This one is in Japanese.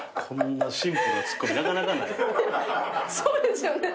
そうですよね！